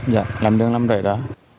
dạ làm đường làm rễ đó